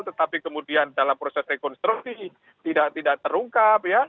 tetapi kemudian dalam proses rekonstruksi tidak tidak terungkap